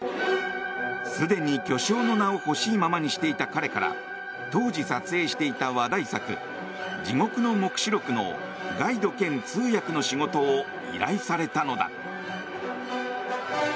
すでに巨匠の名を欲しいままにしていた彼から当時撮影していた話題作「地獄の黙示録」のガイド兼通訳の仕事を依頼されたのだ。